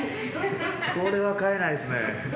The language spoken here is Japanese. これは買えないですね。